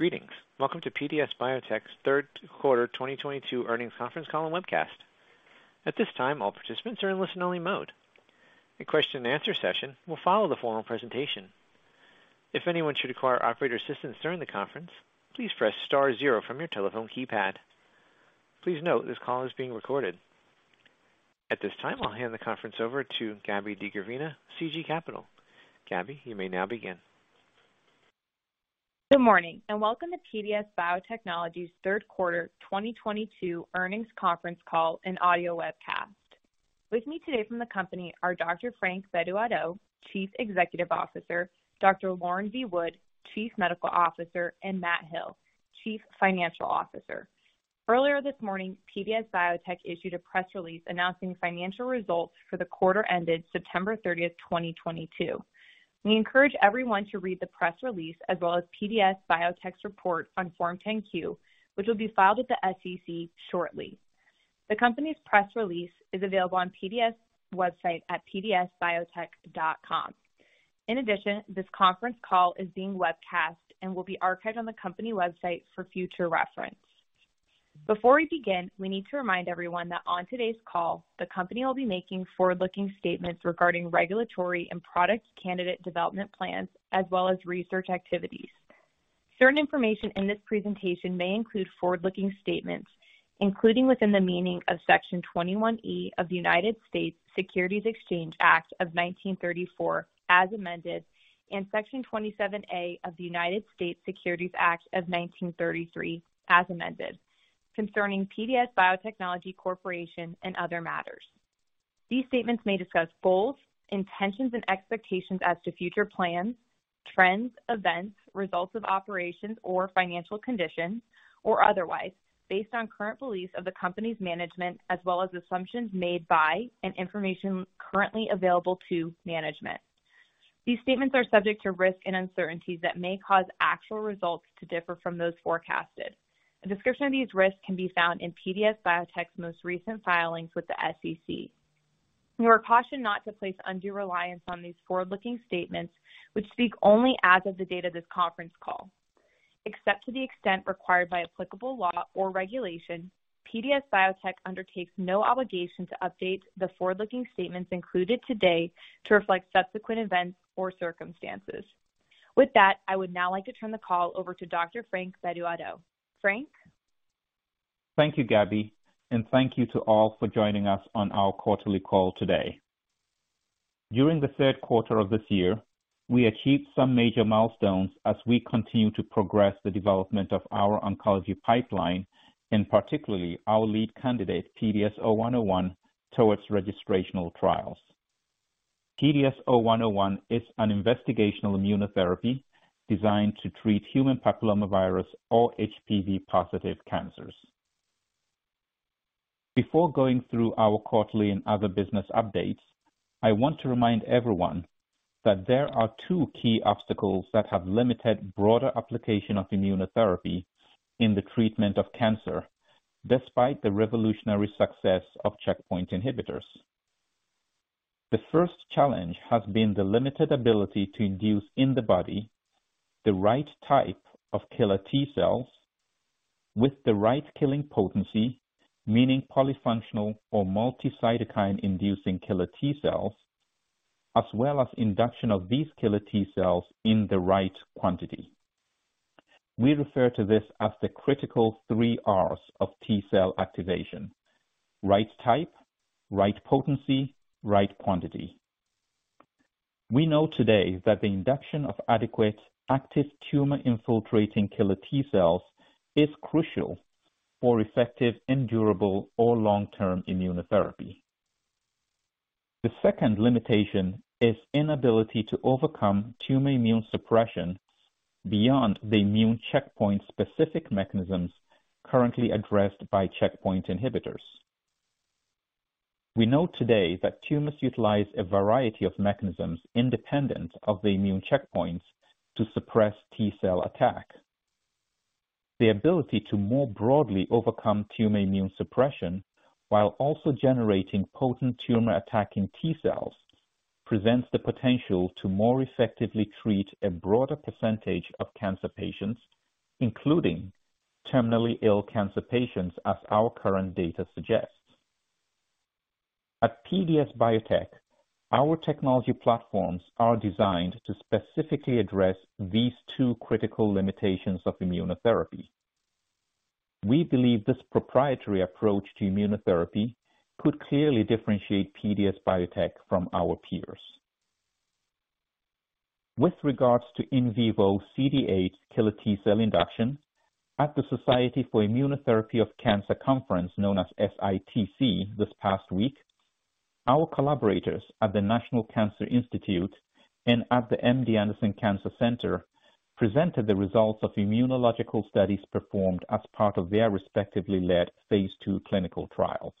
Greetings. Welcome to PDS Biotech's third quarter 2022 earnings conference call and webcast. At this time, all participants are in listen-only mode. A question and answer session will follow the formal presentation. If anyone should require operator assistance during the conference, please press star zero from your telephone keypad. Please note this call is being recorded. At this time, I'll hand the conference over to Gabrielle DeGravina, CG Capital. Gabby, you may now begin. Good morning, and welcome to PDS Biotechnology's third quarter 2022 earnings conference call and audio webcast. With me today from the company are Dr. Frank Bedu-Addo, Chief Executive Officer, Dr. Lauren V. Wood, Chief Medical Officer, and Matt Hill, Chief Financial Officer. Earlier this morning, PDS Biotech issued a press release announcing financial results for the quarter ended September 30th, 2022. We encourage everyone to read the press release as well as PDS Biotech's report on Form 10-Q, which will be filed with the SEC shortly. The company's press release is available on PDS website at pdsbiotech.com. In addition, this conference call is being webcast and will be archived on the company website for future reference. Before we begin, we need to remind everyone that on today's call, the company will be making forward-looking statements regarding regulatory and product candidate development plans, as well as research activities. Certain information in this presentation may include forward-looking statements, including within the meaning of Section 21E of the United States Securities Exchange Act of 1934, as amended, and Section 27A of the United States Securities Act of 1933, as amended, concerning PDS Biotechnology Corporation and other matters. These statements may discuss goals, intentions, and expectations as to future plans, trends, events, results of operations or financial conditions or otherwise, based on current beliefs of the company's management, as well as assumptions made by and information currently available to management. These statements are subject to risks and uncertainties that may cause actual results to differ from those forecasted. A description of these risks can be found in PDS Biotech's most recent filings with the SEC. You are cautioned not to place undue reliance on these forward-looking statements, which speak only as of the date of this conference call. Except to the extent required by applicable law or regulation, PDS Biotech undertakes no obligation to update the forward-looking statements included today to reflect subsequent events or circumstances. With that, I would now like to turn the call over to Dr. Frank Bedu-Addo. Frank. Thank you, Gabby, and thank you to all for joining us on our quarterly call today. During the third quarter of this year, we achieved some major milestones as we continue to progress the development of our oncology pipeline, and particularly our lead candidate, PDS-0101, towards registrational trials. PDS-0101 is an investigational immunotherapy designed to treat human papillomavirus or HPV-positive cancers. Before going through our quarterly and other business updates, I want to remind everyone that there are two key obstacles that have limited broader application of immunotherapy in the treatment of cancer, despite the revolutionary success of checkpoint inhibitors. The first challenge has been the limited ability to induce in the body the right type of killer T-cells with the right killing potency, meaning polyfunctional or multi-cytokine inducing killer T-cells, as well as induction of these killer T-cells in the right quantity. We refer to this as the critical three R's of T-cell activation, right type, right potency, right quantity. We know today that the induction of adequate active tumor-infiltrating killer T-cells is crucial for effective and durable or long-term immunotherapy. The second limitation is inability to overcome tumor immune suppression beyond the immune checkpoint-specific mechanisms currently addressed by checkpoint inhibitors. We know today that tumors utilize a variety of mechanisms independent of the immune checkpoints to suppress T-cell attack. The ability to more broadly overcome tumor immune suppression while also generating potent tumor-attacking T-cells presents the potential to more effectively treat a broader percentage of cancer patients, including terminally ill cancer patients, as our current data suggests. At PDS Biotech, our technology platforms are designed to specifically address these two critical limitations of immunotherapy. We believe this proprietary approach to immunotherapy could clearly differentiate PDS Biotech from our peers. With regards to in vivo CD8 killer T-cell induction at the Society for Immunotherapy of Cancer conference, known as SITC this past week, our collaborators at the National Cancer Institute and at the MD Anderson Cancer Center presented the results of immunological studies performed as part of their respectively led phase II clinical trials.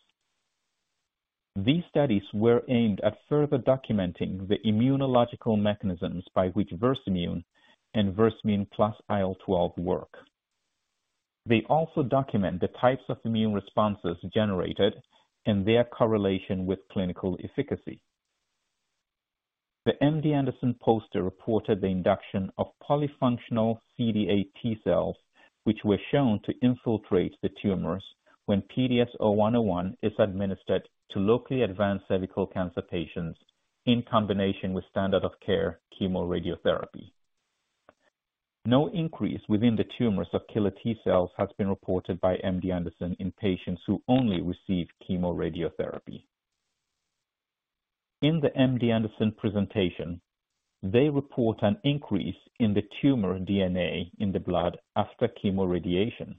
These studies were aimed at further documenting the immunological mechanisms by which Versamune and Versamune plus IL-12 work. They also document the types of immune responses generated and their correlation with clinical efficacy. The MD Anderson poster reported the induction of polyfunctional CD8 T-cells, which were shown to infiltrate the tumors when PDS0101 is administered to locally advanced cervical cancer patients in combination with standard of care Chemoradiotherapy. No increase within the tumors of killer T-cells has been reported by MD Anderson in patients who only receive Chemoradiotherapy. In the MD Anderson presentation, they report an increase in the tumor DNA in the blood after chemoradiation.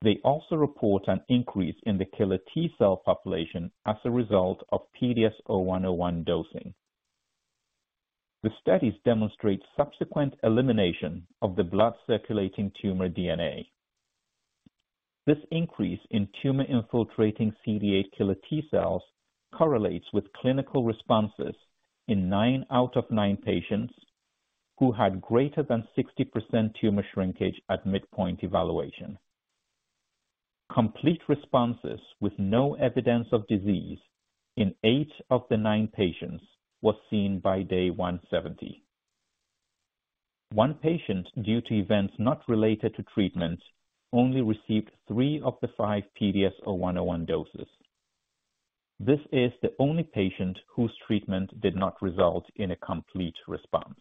They also report an increase in the killer T-cell population as a result of PDS0101 dosing. The studies demonstrate subsequent elimination of the blood circulating tumor DNA. This increase in tumor-infiltrating CD8 killer T-cells correlates with clinical responses in nine out of nine patients who had greater than 60% tumor shrinkage at midpoint evaluation. Complete responses with no evidence of disease in eight of the nine patients was seen by day 170. One patient, due to events not related to treatment, only received three of the five PDS0101 doses. This is the only patient whose treatment did not result in a complete response.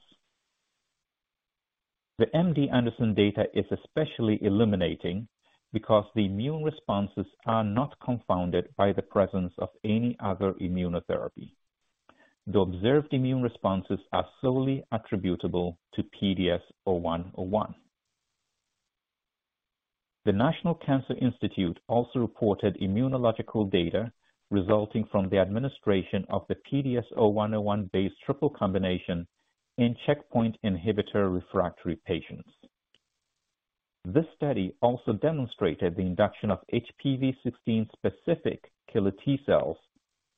The MD Anderson data is especially illuminating because the immune responses are not confounded by the presence of any other immunotherapy. The observed immune responses are solely attributable to PDS0101. The National Cancer Institute also reported immunological data resulting from the administration of the PDS0101-based triple combination in checkpoint inhibitor refractory patients. This study also demonstrated the induction of HPV-16 specific killer T-cells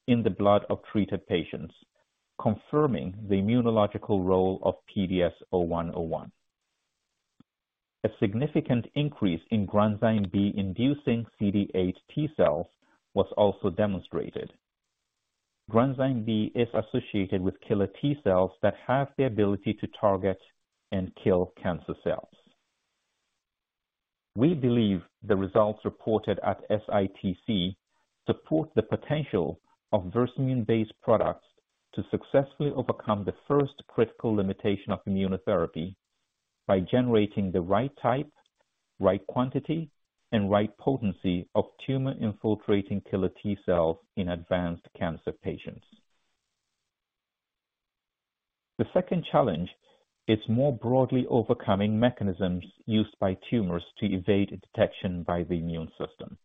in the blood of treated patients, confirming the immunological role of PDS0101. A significant increase in Granzyme B-producing CD8 T-cells was also demonstrated. Granzyme B is associated with killer T-cells that have the ability to target and kill cancer cells. We believe the results reported at SITC support the potential of Versamune-based products to successfully overcome the first critical limitation of immunotherapy by generating the right type, right quantity, and right potency of tumor-infiltrating killer T-cells in advanced cancer patients. The second challenge is more broadly overcoming mechanisms used by tumors to evade detection by the immune system.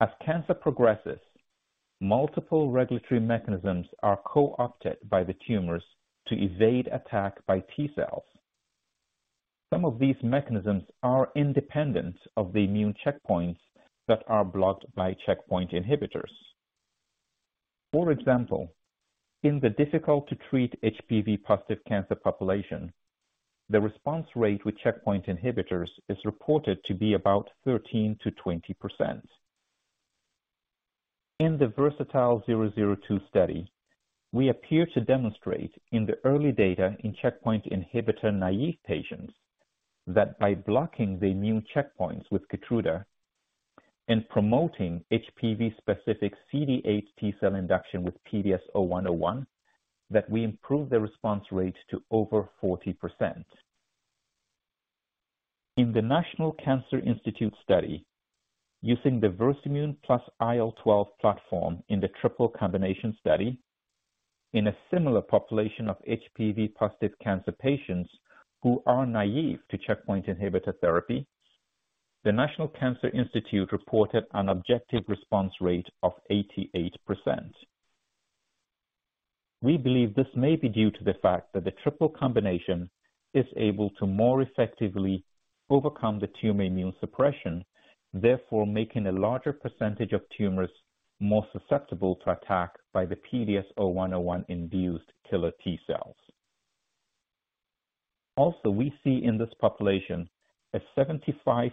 As cancer progresses, multiple regulatory mechanisms are co-opted by the tumors to evade attack by T-cells. Some of these mechanisms are independent of the immune checkpoints that are blocked by checkpoint inhibitors. For example, in the difficult to treat HPV positive cancer population, the response rate with checkpoint inhibitors is reported to be about 13%-20%. In the VERSATILE-002 study, we appear to demonstrate in the early data in checkpoint inhibitor naive patients that by blocking the immune checkpoints with Keytruda and promoting HPV-specific CD8 T-cell induction with PDS0101, that we improve the response rate to over 40%. In the National Cancer Institute study, using the Versamune plus IL-12 platform in the triple combination study in a similar population of HPV-positive cancer patients who are naive to checkpoint inhibitor therapy, the National Cancer Institute reported an objective response rate of 88%. We believe this may be due to the fact that the triple combination is able to more effectively overcome the tumor immune suppression, therefore making a larger percentage of tumors more susceptible to attack by the PDS0101-induced killer T-cells. Also, we see in this population a 75%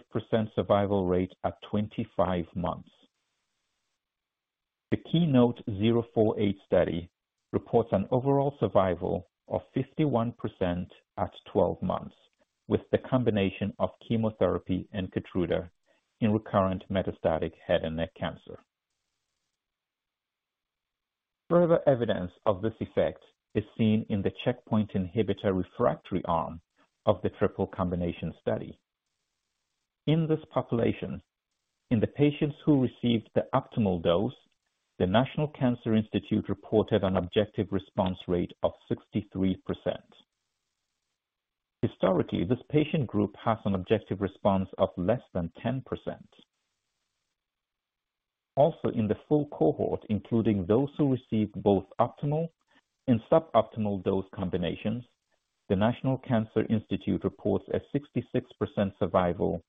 survival rate at 25 months. The KEYNOTE-048 study reports an overall survival of 51% at 12 months with the combination of chemotherapy and Keytruda in recurrent metastatic head and neck cancer. Further evidence of this effect is seen in the checkpoint inhibitor refractory arm of the triple combination study. In this population, in the patients who received the optimal dose, the National Cancer Institute reported an objective response rate of 63%. Historically, this patient group has an objective response of less than 10%. Also, in the full cohort, including those who received both optimal and suboptimal dose combinations, the National Cancer Institute reports a 66% survival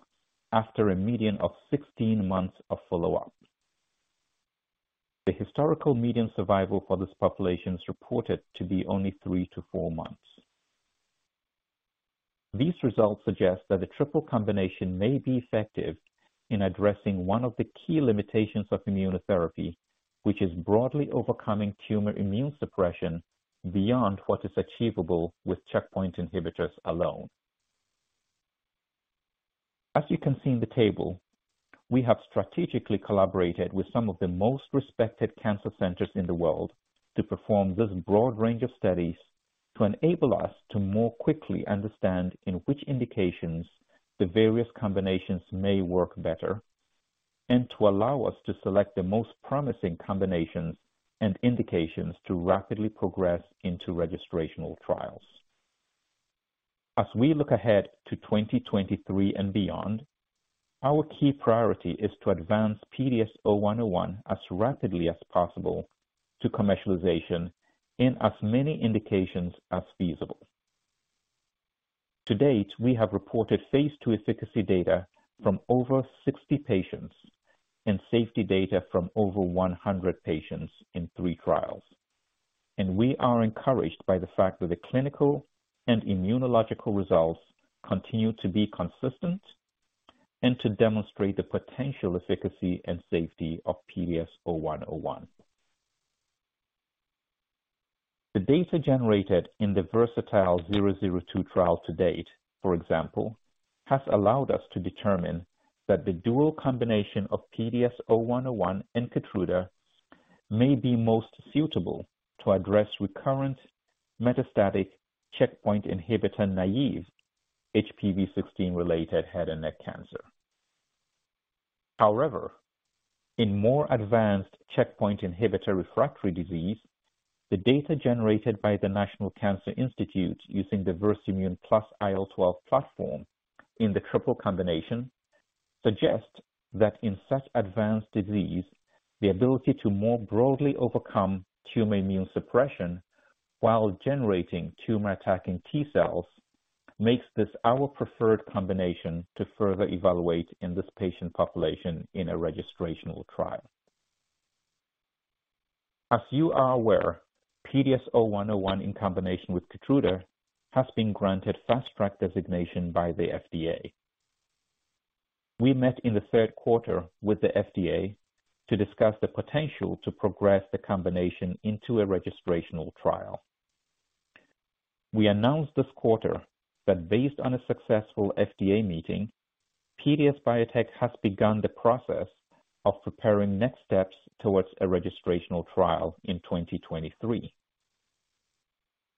after a median of 16 months of follow-up. The historical median survival for this population is reported to be only three to four months. These results suggest that a triple combination may be effective in addressing one of the key limitations of immunotherapy, which is broadly overcoming tumor immune suppression beyond what is achievable with checkpoint inhibitors alone. As you can see in the table, we have strategically collaborated with some of the most respected cancer centers in the world to perform this broad range of studies to enable us to more quickly understand in which indications the various combinations may work better, and to allow us to select the most promising combinations and indications to rapidly progress into registrational trials. As we look ahead to 2023 and beyond, our key priority is to advance PDS-0101 as rapidly as possible to commercialization in as many indications as feasible. To date, we have reported phase II efficacy data from over 60 patients and safety data from over 100 patients in three trials. We are encouraged by the fact that the clinical and immunological results continue to be consistent and to demonstrate the potential efficacy and safety of PDS-0101. The data generated in the VERSATILE-002 trial to date, for example, has allowed us to determine that the dual combination of PDS-0101 and Keytruda may be most suitable to address recurrent metastatic checkpoint inhibitor-naive HPV-16-related head and neck cancer. However, in more advanced checkpoint inhibitor refractory disease, the data generated by the National Cancer Institute using the Versamune plus IL-12 platform in the triple combination suggest that in such advanced disease, the ability to more broadly overcome tumor immune suppression while generating tumor-attacking T-cells makes this our preferred combination to further evaluate in this patient population in a registrational trial. As you are aware, PDS-0101 in combination with Keytruda has been granted Fast Track designation by the FDA. We met in the third quarter with the FDA to discuss the potential to progress the combination into a registrational trial. We announced this quarter that based on a successful FDA meeting, PDS Biotech has begun the process of preparing next steps towards a registrational trial in 2023.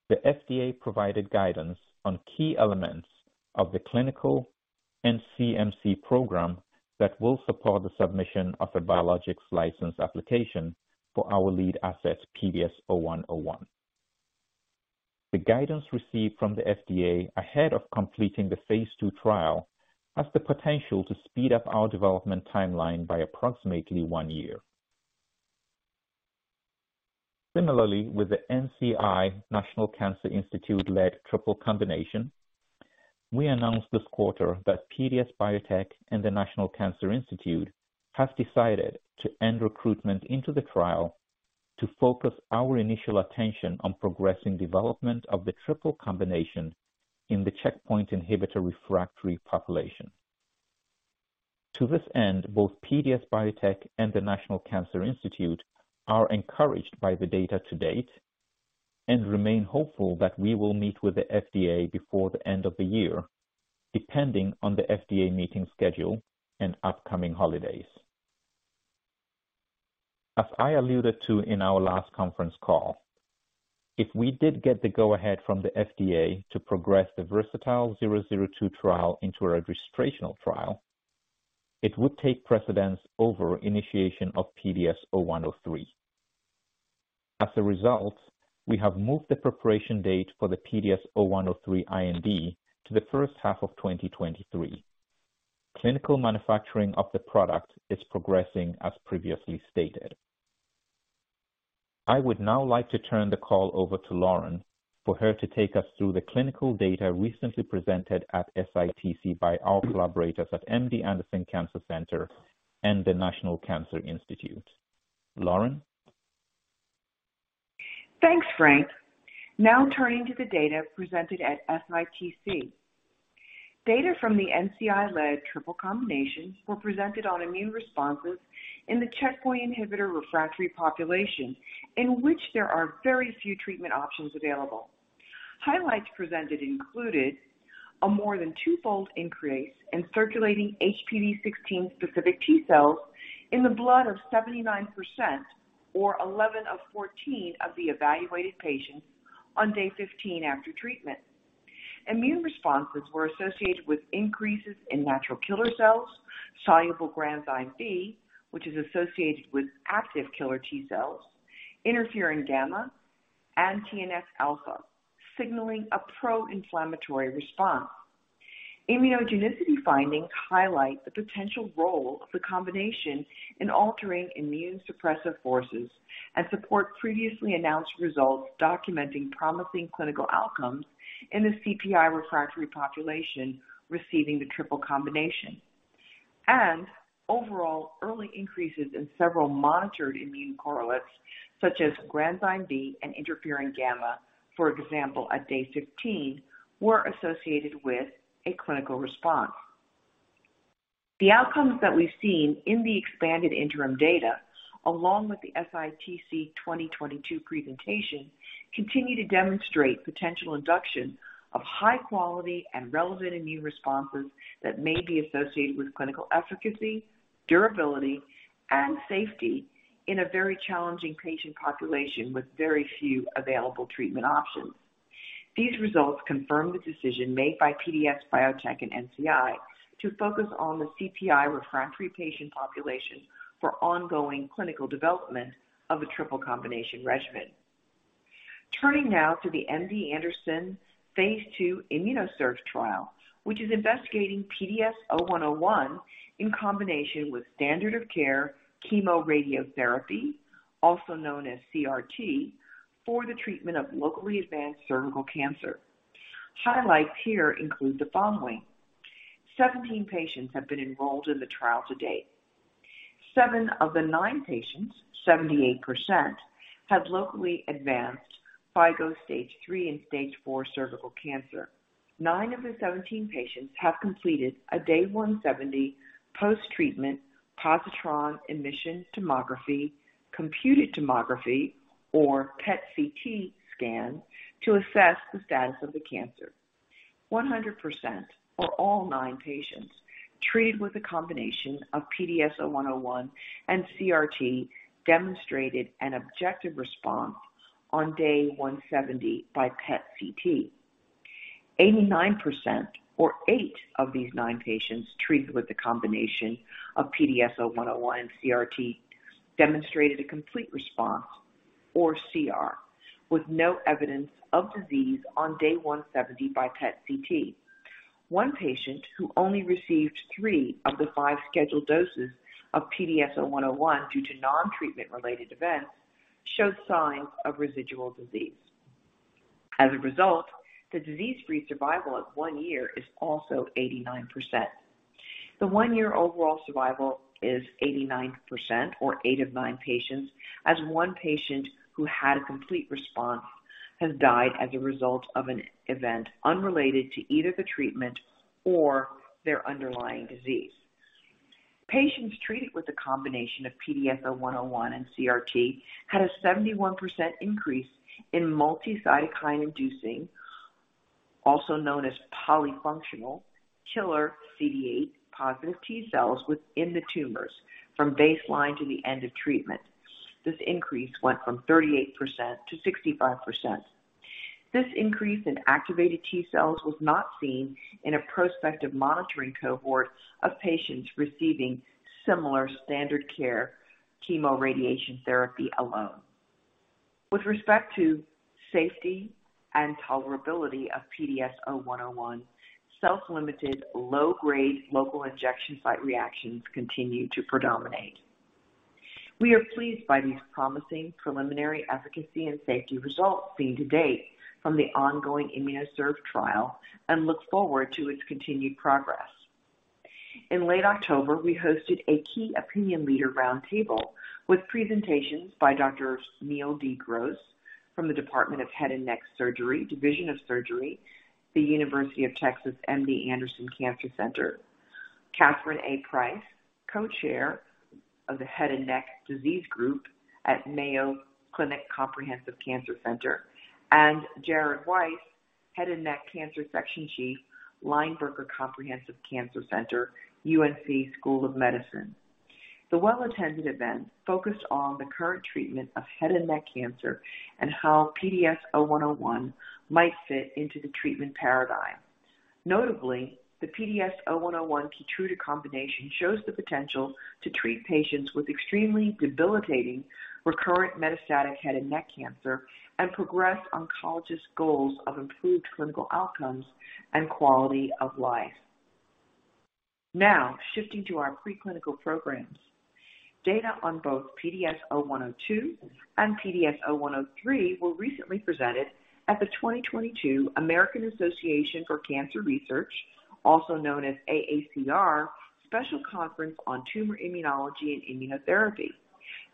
The FDA provided guidance on key elements of the clinical and CMC program that will support the submission of a biologics license application for our lead assets, PDS-0101. The guidance received from the FDA ahead of completing the phase II trial has the potential to speed up our development timeline by approximately one year. Similarly, with the NCI, National Cancer Institute, led triple combination, we announced this quarter that PDS Biotech and the National Cancer Institute have decided to end recruitment into the trial to focus our initial attention on progressing development of the triple combination in the checkpoint inhibitor refractory population. To this end, both PDS Biotech and the National Cancer Institute are encouraged by the data to date and remain hopeful that we will meet with the FDA before the end of the year, depending on the FDA meeting schedule and upcoming holidays. As I alluded to in our last conference call, if we did get the go-ahead from the FDA to progress the VERSATILE-002 trial into a registrational trial, it would take precedence over initiation of PDS0103. As a result, we have moved the preparation date for the PDS0103 IND to the first half of 2023. Clinical manufacturing of the product is progressing as previously stated. I would now like to turn the call over to Lauren for her to take us through the clinical data recently presented at SITC by our collaborators at MD Anderson Cancer Center and the National Cancer Institute. Lauren? Thanks, Frank. Now turning to the data presented at SITC. Data from the NCI-led triple combinations were presented on immune responses in the checkpoint inhibitor refractory population in which there are very few treatment options available. Highlights presented included a more than twofold increase in circulating HPV-16 specific T-cells in the blood of 79% or 11 of 14 of the evaluated patients on day 15 after treatment. Immune responses were associated with increases in natural killer cells, soluble Granzyme B, which is associated with active killer T-cells, Interferon gamma, and TNF-alpha, signaling a pro-inflammatory response. Immunogenicity findings highlight the potential role of the combination in altering immune suppressive forces and support previously announced results documenting promising clinical outcomes in the CPI refractory population receiving the triple combination. Overall, early increases in several monitored immune correlates such as Granzyme B and Interferon gamma, for example, at day 15, were associated with a clinical response. The outcomes that we've seen in the expanded interim data, along with the SITC 2022 presentation, continue to demonstrate potential induction of high quality and relevant immune responses that may be associated with clinical efficacy, durability, and safety in a very challenging patient population with very few available treatment options. These results confirm the decision made by PDS Biotech and NCI to focus on the CPI-refractory patient population for ongoing clinical development of a triple combination regimen. Turning now to the MD Anderson phase II IMMUNOCERV trial, which is investigating PDS-0101 in combination with standard of care Chemoradiotherapy, also known as CRT, for the treatment of locally advanced cervical cancer. Highlights here include the following: 17 patients have been enrolled in the trial to date. Seven of the nine patients, 78%, had locally advanced FIGO stage III and stage IV cervical cancer. Nine of the 17 patients have completed a day 170 Post-Treatment Positron Emission Tomography/Computed Tomography, or PET/CT scan to assess the status of the cancer. 100% or all nine patients treated with a combination of PDS-0101 and CRT demonstrated an objective response on day 170 by PET/CT. 89% or eight of these nine patients treated with the combination of PDS0101 and CRT demonstrated a complete response or CR with no evidence of disease on day 170 by PET/CT. One patient who only received three of the five scheduled doses of PDS0101 due to non-treatment related events showed signs of residual disease. As a result, the disease-free survival at one year is also 89%. The one-year overall survival is 89% or eight of nine patients, as one patient who had a complete response has died as a result of an event unrelated to either the treatment or their underlying disease. Patients treated with a combination of PDS0101 and CRT had a 71% increase in multi-cytokine inducing, also known as polyfunctional killer CD8-positive T-cells within the tumors from baseline to the end of treatment. This increase went from 38% to 65%. This increase in activated T-cells was not seen in a prospective monitoring cohort of patients receiving similar standard care chemoradiation therapy alone. With respect to safety and tolerability of PDS0101, self-limited low-grade local injection site reactions continue to predominate. We are pleased by these promising preliminary efficacy and safety results seen to date from the ongoing IMMUNOCERV trial and look forward to its continued progress. In late October, we hosted a key opinion leader roundtable with presentations by Doctor Neil D. Gross from the Department of Head and Neck Surgery, Division of Surgery, the University of Texas MD Anderson Cancer Center, Katharine A. Price, co-chair of the Head and Neck Disease Group at Mayo Clinic Comprehensive Cancer Center, and Jared Weiss, Head and Neck Cancer Section Chief, UNC Lineberger Comprehensive Cancer Center, UNC School of Medicine. The well-attended event focused on the current treatment of head and neck cancer and how PDS0101 might fit into the treatment paradigm. Notably, the PDS0101 Keytruda combination shows the potential to treat patients with extremely debilitating recurrent metastatic head and neck cancer and progress oncologists' goals of improved clinical outcomes and quality of life. Now shifting to our preclinical programs. Data on both PDS0102 and PDS0103 were recently presented at the 2022 American Association for Cancer Research, also known as AACR, Special Conference on Tumor Immunology and Immunotherapy.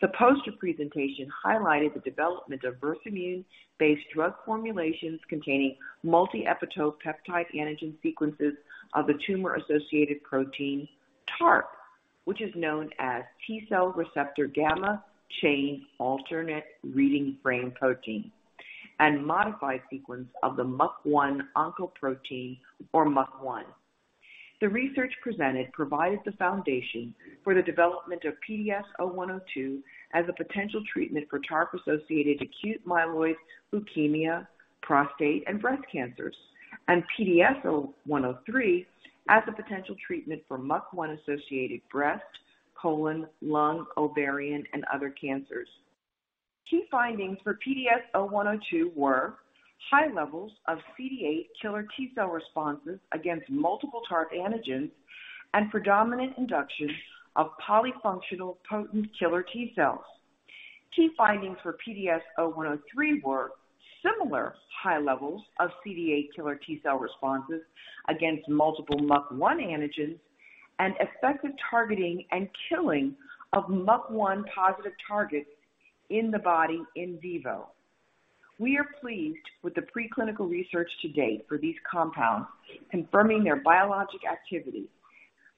The poster presentation highlighted the development of Versamune-based drug formulations containing multi-epitope peptide antigen sequences of the tumor-associated protein TARP, which is known as T-cell receptor gamma chain alternate reading frame protein, and modified sequence of the MUC1 oncoprotein or MUC1. The research presented provided the foundation for the development of PDS0102 as a potential treatment for TARP-associated acute myeloid leukemia, prostate and breast cancers, and PDS0103 as a potential treatment for MUC1-associated breast, colon, lung, ovarian and other cancers. Key findings for PDS-0102 were high levels of CD8 killer T-cell responses against multiple TARP antigens and predominant induction of polyfunctional potent killer T-cells. key findings for PDS-0103 were similar high levels of CD8 killer T-cell responses against multiple MUC1 antigens and effective targeting and killing of MUC1 positive targets in the body in vivo. We are pleased with the preclinical research to date for these compounds, confirming their biologic activity.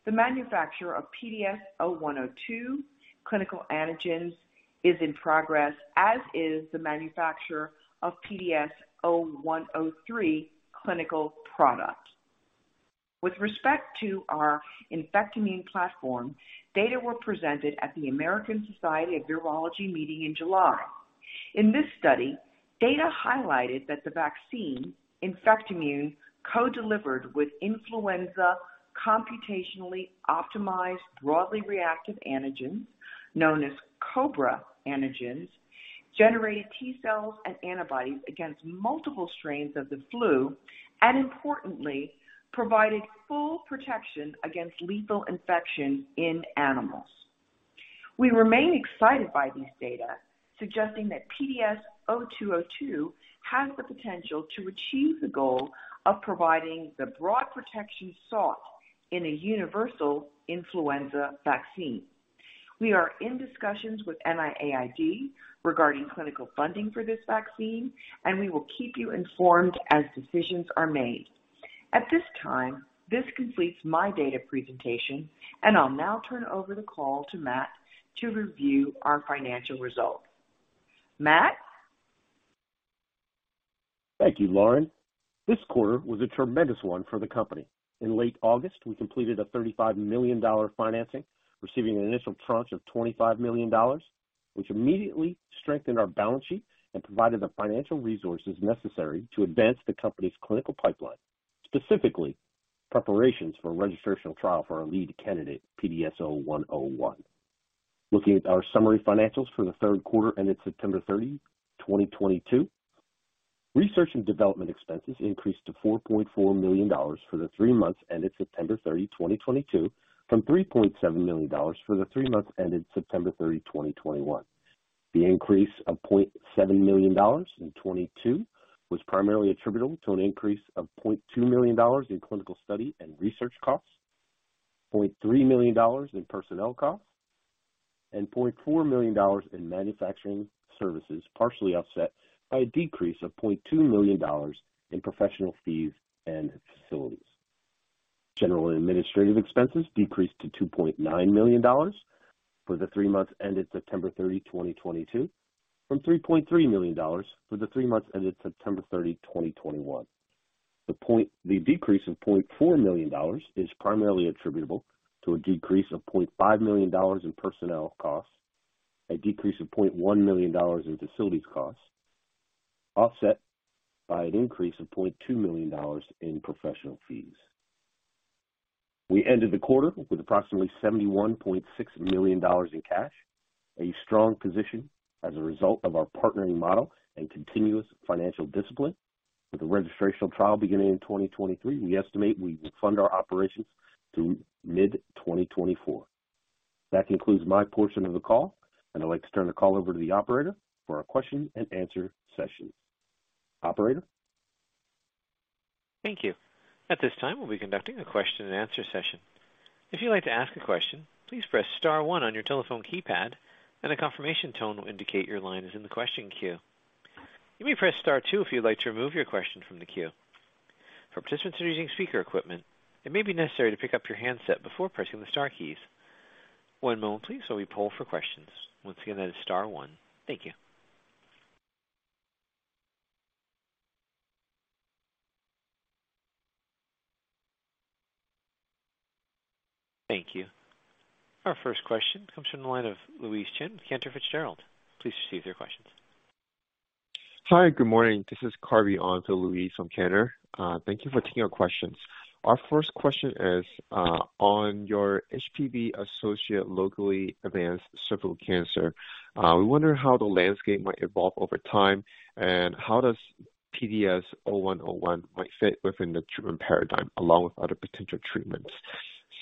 The manufacturing of PDS-0102 clinical antigens is in progress, as is the manufacturing of PDS-0103 clinical product. With respect to our Infectimune platform, data were presented at the American Society for Virology meeting in July. In this study, data highlighted that the vaccine Infectimune co-delivered with influenza computationally optimized broadly reactive antigens, known as COBRA antigens, generated T-cells and antibodies against multiple strains of the flu, and importantly, provided full protection against lethal infection in animals. We remain excited by these data, suggesting that PDS-0202 has the potential to achieve the goal of providing the broad protection sought in a universal influenza vaccine. We are in discussions with NIAID regarding clinical funding for this vaccine, and we will keep you informed as decisions are made. At this time, this completes my data presentation, and I'll now turn over the call to Matt to review our financial results. Matt? Thank you, Lauren. This quarter was a tremendous one for the company. In late August, we completed a $35 million financing, receiving an initial tranche of $25 million, which immediately strengthened our balance sheet and provided the financial resources necessary to advance the company's clinical pipeline, specifically preparations for registrational trial for our lead candidate, PDS-0101. Looking at our summary financials for the third quarter ended September 30, 2022. Research and development expenses increased to $4.4 million for the three months ended September 30, 2022 from $3.7 million for the three months ended September 30, 2021. The increase of $0.7 million in 2022 was primarily attributable to an increase of $0.2 million in clinical study and research costs, $0.3 million in personnel costs, and $0.4 million in manufacturing services, partially offset by a decrease of $0.2 million in professional fees and facilities. General and administrative expenses decreased to $2.9 million for the three months ended September 30, 2022, from $3.3 million for the three months ended September 30, 2021. The decrease of $0.4 million is primarily attributable to a decrease of $0.5 million in personnel costs, a decrease of $0.1 million in facilities costs, offset by an increase of $0.2 million in professional fees. We ended the quarter with approximately $71.6 million in cash, a strong position as a result of our partnering model and continuous financial discipline. With the registrational trial beginning in 2023, we estimate we will fund our operations through mid-2024. That concludes my portion of the call, and I'd like to turn the call over to the operator for our question and answer session. Operator? Thank you. At this time, we'll be conducting a question and answer session. If you'd like to ask a question, please press star one on your telephone keypad and a confirmation tone will indicate your line is in the question queue. You may press star two if you'd like to remove your question from the queue. For participants who are using speaker equipment, it may be necessary to pick up your handset before pressing the star keys. One moment please, while we poll for questions. Once again, that is star one. Thank you. Thank you. Our first question comes from the line of Louise Chen, Cantor Fitzgerald. Please proceed with your questions. Hi, good morning. This is Carvy on for Louise from Cantor. Thank you for taking our questions. Our first question is on your HPV-associated locally advanced cervical cancer. We wonder how the landscape might evolve over time, and how does PDS-0101 might fit within the treatment paradigm along with other potential treatments.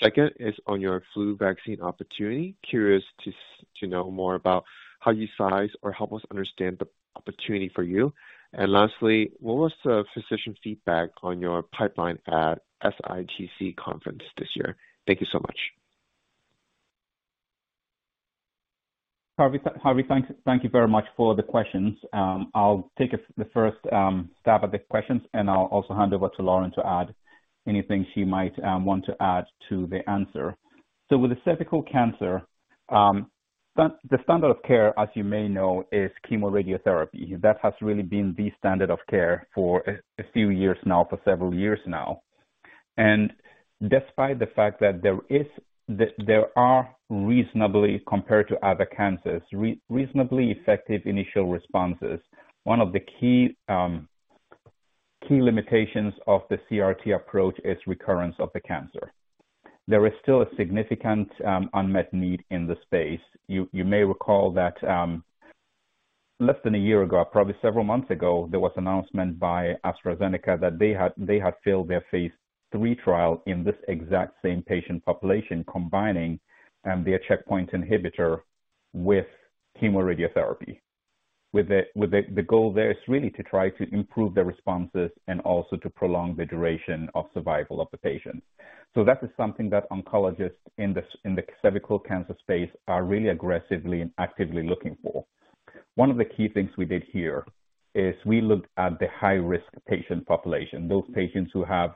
Second is on your flu vaccine opportunity. Curious to know more about how you size or help us understand the opportunity for you. Lastly, what was the physician feedback on your pipeline at SITC conference this year? Thank you so much. Carvy, thank you very much for the questions. I'll take the first stab at the questions, and I'll also hand over to Lauren to add anything she might want to add to the answer. With the cervical cancer, the standard of care, as you may know, is Chemoradiotherapy. That has really been the standard of care for a few years now, for several years now. Despite the fact that there are reasonably, compared to other cancers, reasonably effective initial responses, one of the key limitations of the CRT approach is recurrence of the cancer. There is still a significant unmet need in the space. You may recall that, Less than a year ago, probably several months ago, there was announcement by AstraZeneca that they had failed their phase III trial in this exact same patient population, combining their checkpoint inhibitor with Chemoradiotherapy. With the goal there is really to try to improve the responses and also to prolong the duration of survival of the patients. That is something that oncologists in the cervical cancer space are really aggressively and actively looking for. One of the key things we did here is we looked at the high risk patient population, those patients who have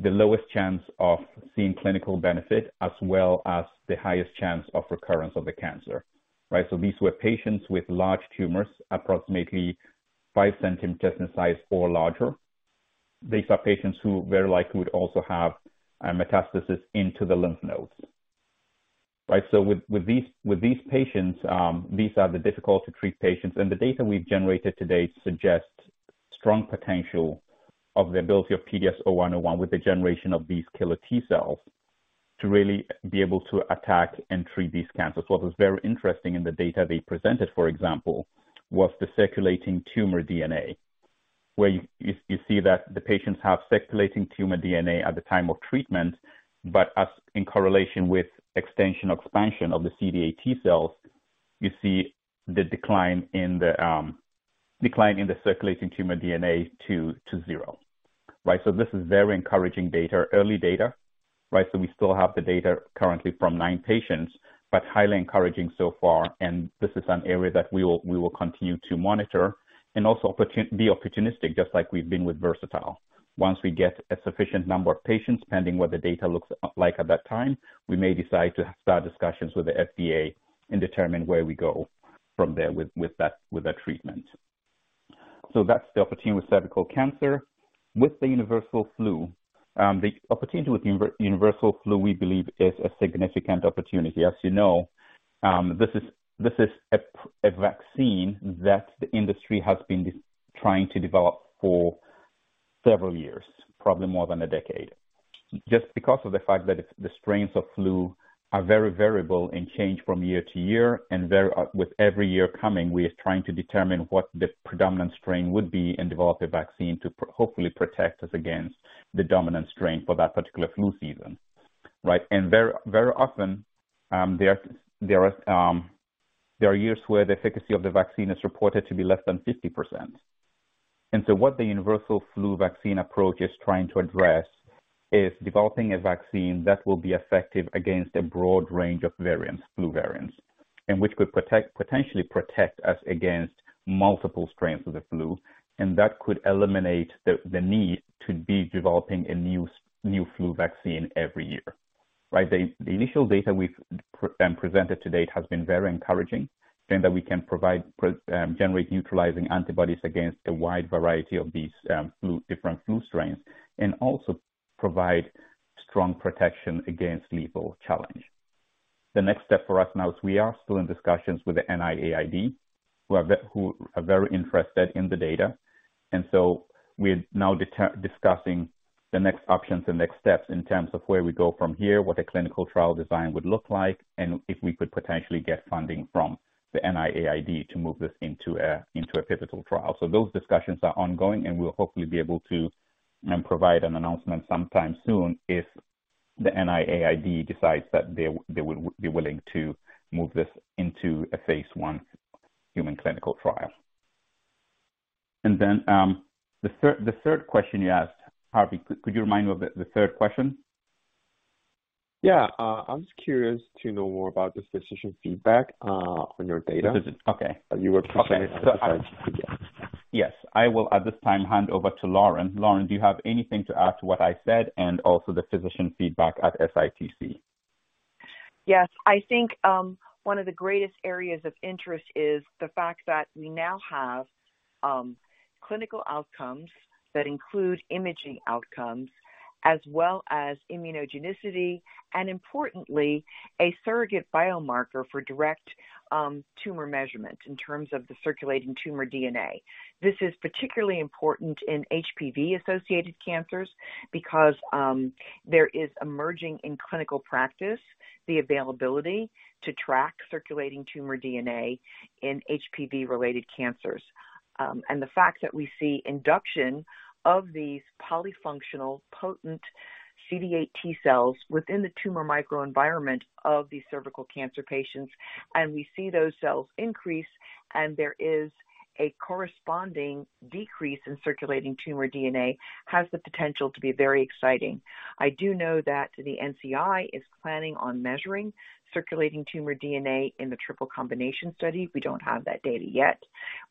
the lowest chance of seeing clinical benefit as well as the highest chance of recurrence of the cancer, right? These were patients with large tumors, approximately 5 cm in size or larger. These are patients who very likely would also have metastasis into the lymph nodes. Right. With these patients, these are the difficult to treat patients. The data we've generated to date suggests strong potential of the ability of PDS0101 with the generation of these T-cells to really be able to attack and treat these cancers. What was very interesting in the data they presented, for example, was the circulating tumor DNA, where you see that the patients have circulating tumor DNA at the time of treatment, but as in correlation with extension or expansion of the CD8 T-cells, you see the decline in the circulating tumor DNA to zero. Right. This is very encouraging data, early data, right? We still have the data currently from nine patients, but highly encouraging so far. This is an area that we will continue to monitor and also be opportunistic just like we've been with Versatile. Once we get a sufficient number of patients, pending what the data looks like at that time, we may decide to start discussions with the FDA and determine where we go from there with that treatment. That's the opportunity with cervical cancer. With the universal flu, the opportunity with universal flu, we believe is a significant opportunity. As you know, this is a vaccine that the industry has been trying to develop for several years, probably more than a decade. Just because of the fact that it's, the strains of flu are very variable and change from year-to year, and very with every year coming, we are trying to determine what the predominant strain would be and develop a vaccine to hopefully protect us against the dominant strain for that particular flu season. Right. Very, very often, there are years where the efficacy of the vaccine is reported to be less than 50%. What the universal flu vaccine approach is trying to address is developing a vaccine that will be effective against a broad range of variants, flu variants, and which could potentially protect us against multiple strains of the flu. That could eliminate the need to be developing a new flu vaccine every year. Right. The initial data we've presented to date has been very encouraging in that we can generate neutralizing antibodies against a wide variety of these different flu strains and also provide strong protection against lethal challenge. The next step for us now is we are still in discussions with the NIAID who are very interested in the data. We're now discussing the next options and next steps in terms of where we go from here, what the clinical trial design would look like, and if we could potentially get funding from the NIAID to move this into a pivotal trial. Those discussions are ongoing, and we'll hopefully be able to provide an announcement sometime soon if the NIAID decides that they would be willing to move this into a phase I human clinical trial. Then, the third question you asked, Harvey, could you remind me of the third question? Yeah. I was curious to know more about this physician feedback, on your data. Okay. You were presenting at SITC. Yes. Yes. I will at this time hand over to Lauren. Lauren, do you have anything to add to what I said and also the physician feedback at SITC? Yes. I think one of the greatest areas of interest is the fact that we now have clinical outcomes that include imaging outcomes as well as immunogenicity and importantly, a surrogate biomarker for direct tumor measurement in terms of the circulating tumor DNA. This is particularly important in HPV-associated cancers because there is emerging in clinical practice the availability to track circulating tumor DNA in HPV-related cancers. The fact that we see induction of these polyfunctional potent CD8 T-cells within the tumor microenvironment of these cervical cancer patients, and we see those cells increase, and there is a corresponding decrease in circulating tumor DNA, has the potential to be very exciting. I do know that the NCI is planning on measuring circulating tumor DNA in the triple combination study. We don't have that data yet,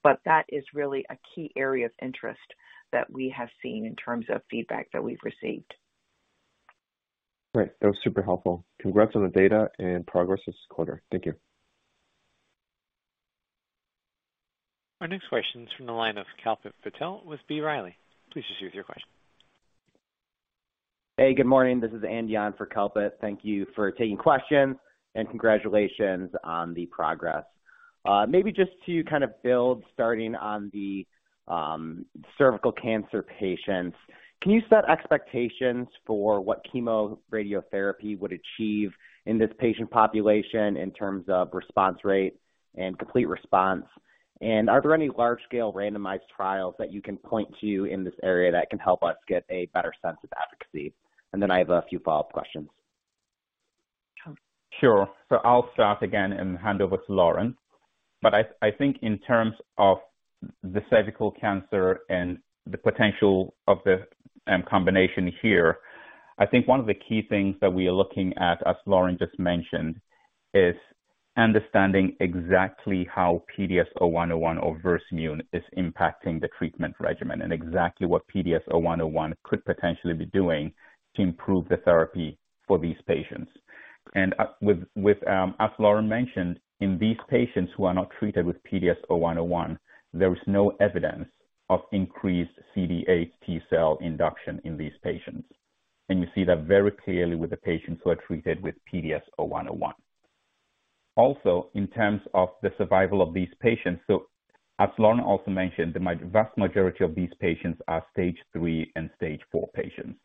but that is really a key area of interest that we have seen in terms of feedback that we've received. Great. That was super helpful. Congrats on the data and progress this quarter. Thank you. Our next question is from the line of Kalpit Patel with B. Riley. Please just use your question. Hey, good morning. This is Andy on for Kalpit Patel. Thank you for taking questions and congratulations on the progress. Maybe just to kind of build starting on the cervical cancer patients, can you set expectations for what Chemoradiotherapy would achieve in this patient population in terms of response rate and complete response? And are there any large-scale randomized trials that you can point to in this area that can help us get a better sense of efficacy? And then I have a few follow-up questions. Sure. I'll start again and hand over to Lauren. I think in terms of the cervical cancer and the potential of the combination here, I think one of the key things that we are looking at, as Lauren just mentioned, is understanding exactly how PDS-0101 or Versamune is impacting the treatment regimen and exactly what PDS-0101 could potentially be doing to improve the therapy for these patients. With as Lauren mentioned, in these patients who are not treated with PDS-0101, there is no evidence of increased CD8 T-cell induction in these patients. You see that very clearly with the patients who are treated with PDS-0101. Also, in terms of the survival of these patients, as Lauren also mentioned, the vast majority of these patients are stage three and stage four patients,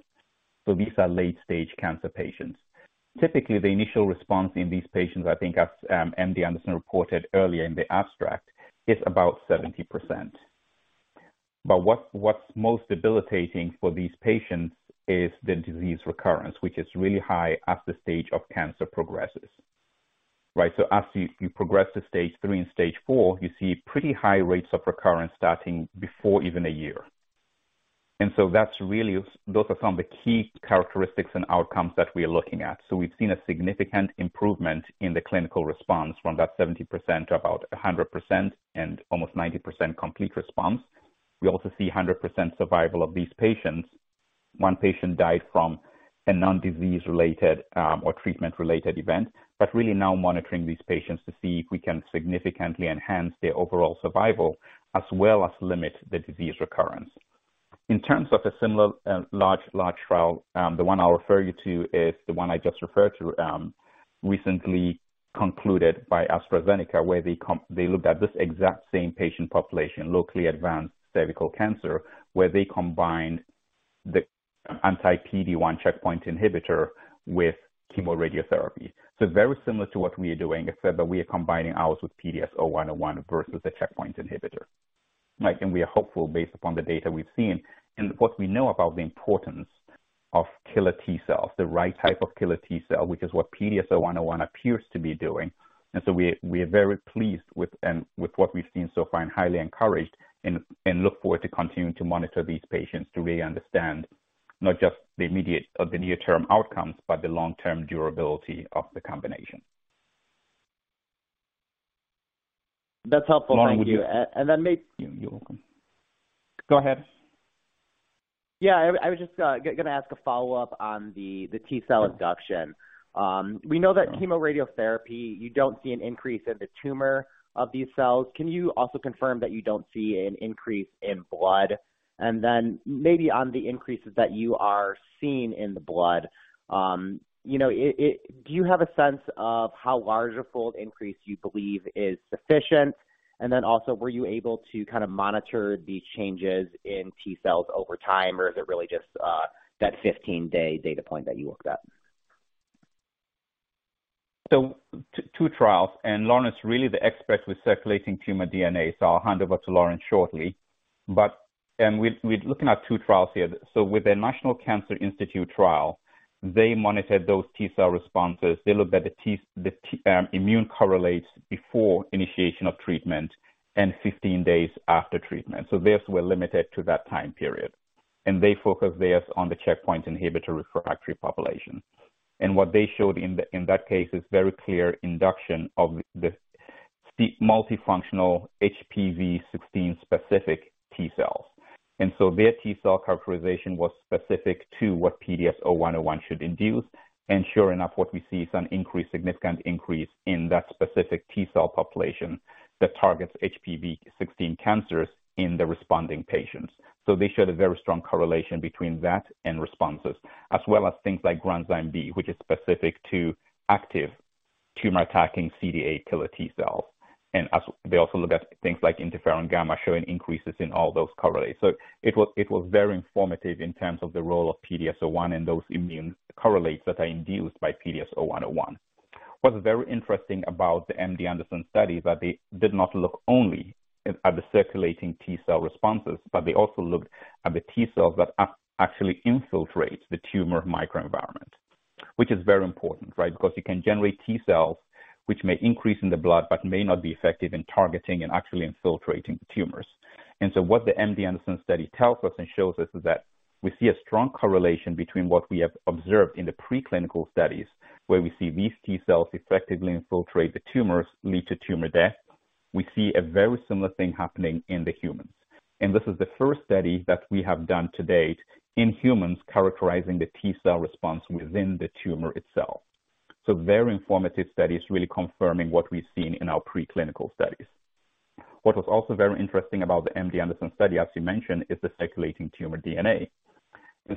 so these are late-stage cancer patients. Typically, the initial response in these patients, I think as MD Anderson reported earlier in the abstract, is about 70%. What's most debilitating for these patients is the disease recurrence, which is really high as the stage of cancer progresses, right? As you progress to stage 3 and stage 4, you see pretty high rates of recurrence starting before even a year. That's really those are some of the key characteristics and outcomes that we are looking at. We've seen a significant improvement in the clinical response from that 70% to about 100% and almost 90% complete response. We also see 100% survival of these patients. One patient died from a non-disease related or treatment-related event. Really now monitoring these patients to see if we can significantly enhance their overall survival as well as limit the disease recurrence. In terms of a similar large trial, the one I'll refer you to is the one I just referred to, recently concluded by AstraZeneca, where they looked at this exact same patient population, locally advanced cervical cancer, where they combined the anti-PD-1 checkpoint inhibitor with Chemoradiotherapy. Very similar to what we are doing, except that we are combining ours with PDS-0101 versus a checkpoint inhibitor. Right? We are hopeful based upon the data we've seen and what we know about the importance of killer T-cells, the right type of killer T-cell, which is what PDS-0101 appears to be doing. We are very pleased with what we've seen so far and highly encouraged and look forward to continuing to monitor these patients to really understand not just the immediate or the near-term outcomes, but the long-term durability of the combination. That's helpful. Thank you. Lauren, would you And then may- You're welcome. Go ahead. Yeah, I was just gonna ask a follow-up on the T-cell induction. We know that Chemoradiotherapy, you don't see an increase in the tumor of these cells. Can you also confirm that you don't see an increase in blood? And then maybe on the increases that you are seeing in the blood, you know, do you have a sense of how large a fold increase you believe is sufficient? And then also, were you able to kind of monitor the changes in T-cells over time, or is it really just that 15-day data point that you looked at? Two trials, and Lauren is really the expert with circulating tumor DNA, so I'll hand over to Lauren shortly. We're looking at two trials here. With the National Cancer Institute trial, they monitored those T-cell responses. They looked at the immune correlates before initiation of treatment and 15 days after treatment. Theirs were limited to that time period. They focused theirs on the checkpoint inhibitor refractory population. What they showed in that case is very clear induction of the multifunctional HPV-16 specific T-cells. Their T-cell characterization was specific to what PDS-0101 should induce. Sure enough, what we see is a significant increase in that specific T-cell population that targets HPV-16 cancers in the responding patients. They showed a very strong correlation between that and responses, as well as things like Granzyme B, which is specific to active tumor-attacking CD8 killer T-cells. They also looked at things like Interferon gamma, showing increases in all those correlates. It was very informative in terms of the role of PDS0101 and those immune correlates that are induced by PDS-0101. What's very interesting about the MD Anderson study is that they did not look only at the circulating T-cell responses, but they also looked at the T-cells that actually infiltrate the tumor microenvironment, which is very important, right? Because you can generate T-cells which may increase in the blood, but may not be effective in targeting and actually infiltrating the tumors. What the MD Anderson study tells us and shows us is that we see a strong correlation between what we have observed in the preclinical studies, where we see these T-cells effectively infiltrate the tumors, lead to tumor death. We see a very similar thing happening in the humans. This is the first study that we have done to date in humans characterizing the T-cell response within the tumor itself. Very informative studies really confirming what we've seen in our preclinical studies. What was also very interesting about the MD Anderson study, as you mentioned, is the circulating tumor DNA.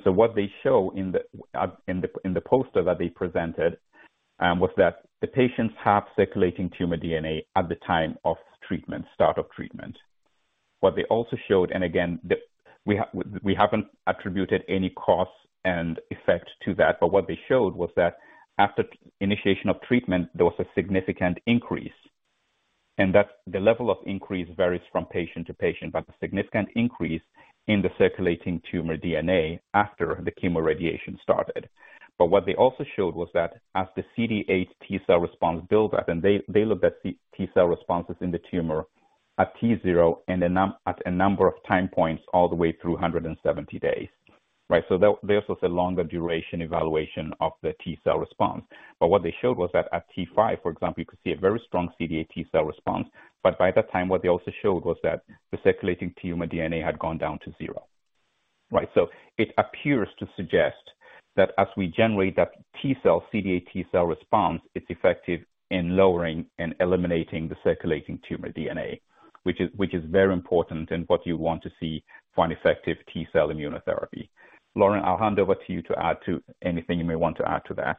What they show in the poster that they presented was that the patients have circulating tumor DNA at the start of treatment. What they also showed, and again, we haven't attributed any cause and effect to that, but what they showed was that after initiation of treatment, there was a significant increase, and that the level of increase varies from patient to patient. A significant increase in the circulating tumor DNA after the chemoradiation started. What they also showed was that as the CD8 T-cell response built up and they looked at CD8 T-cell responses in the tumor at T0 and at a number of time points all the way through 170 days, right? There was a longer duration evaluation of the T-cell response. What they showed was that at T5, for example, you could see a very strong CD8 T-cell response. By that time, what they also showed was that the circulating tumor DNA had gone down to zero, right? It appears to suggest that as we generate that T-cell, CD8 T-cell response, it's effective in lowering and eliminating the circulating tumor DNA, which is very important and what you want to see for an effective T-cell immunotherapy. Lauren, I'll hand over to you to add to anything you may want to add to that.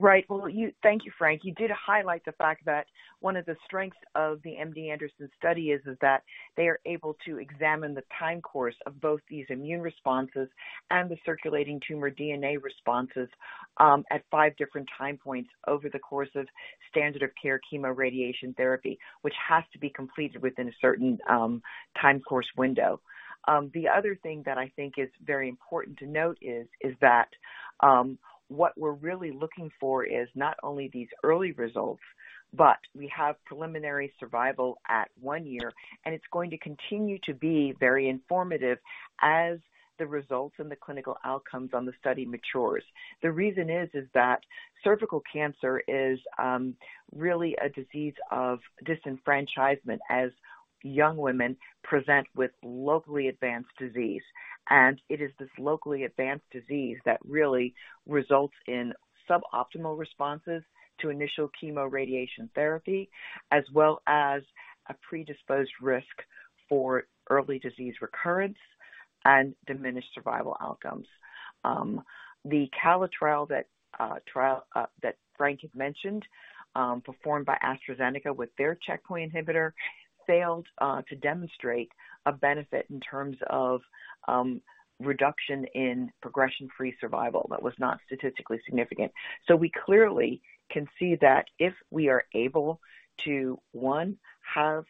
Right. Well, thank you, Frank. You did highlight the fact that one of the strengths of the MD Anderson study is that they are able to examine the time course of both these immune responses and the circulating tumor DNA responses at five different time points over the course of standard of care chemoradiation therapy, which has to be completed within a certain time course window. The other thing that I think is very important to note is that what we're really looking for is not only these early results, but we have preliminary survival at one year, and it's going to continue to be very informative as the results and the clinical outcomes on the study matures. The reason is that cervical cancer is really a disease of disenfranchisement as young women present with locally advanced disease. It is this locally advanced disease that really results in suboptimal responses to initial chemoradiation therapy, as well as a predisposed risk for early disease recurrence and diminished survival outcomes. The CALLA trial that Frank had mentioned, performed by AstraZeneca with their checkpoint inhibitor, failed to demonstrate a benefit in terms of reduction in progression-free survival that was not statistically significant. We clearly can see that if we are able to, one, have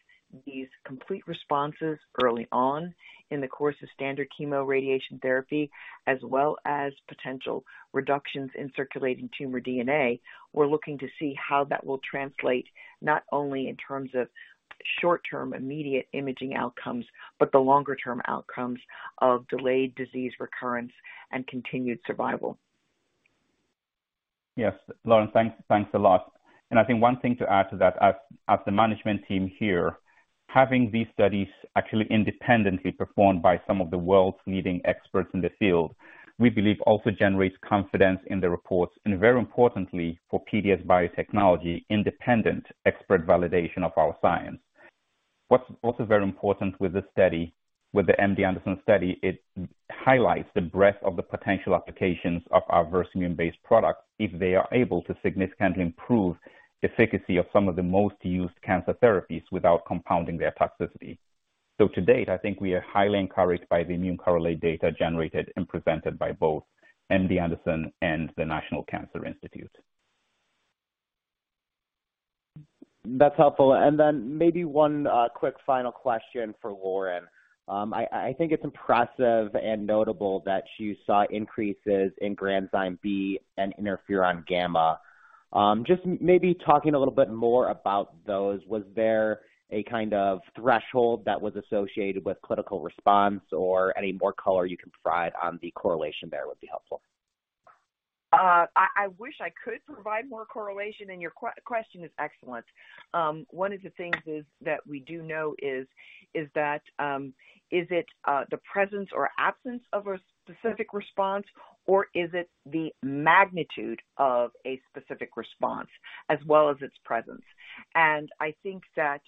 these complete responses early on in the course of standard chemoradiation therapy, as well as potential reductions in circulating tumor DNA, we're looking to see how that will translate not only in terms of short-term immediate imaging outcomes, but the longer-term outcomes of delayed disease recurrence and continued survival. Yes, Lauren, thanks. Thanks a lot. I think one thing to add to that, as the management team here, having these studies actually independently performed by some of the world's leading experts in the field, we believe also generates confidence in the reports and very importantly for PDS Biotechnology, independent expert validation of our science. What's also very important with this study, with the MD Anderson study, it highlights the breadth of the potential applications of our Versamune-based products if they are able to significantly improve efficacy of some of the most used cancer therapies without compounding their toxicity. To date, I think we are highly encouraged by the immune correlate data generated and presented by both MD Anderson and the National Cancer Institute. That's helpful. Maybe one quick final question for Lauren. I think it's impressive and notable that you saw increases in Granzyme B and Interferon gamma. Just maybe talking a little bit more about those, was there a kind of threshold that was associated with clinical response or any more color you can provide on the correlation there would be helpful? I wish I could provide more correlation, and your question is excellent. One of the things is that we do know is that is it the presence or absence of a specific response, or is it the magnitude of a specific response as well as its presence? I think that,